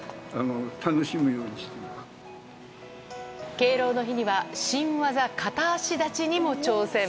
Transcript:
敬老の日には新技、片足立ちにも挑戦。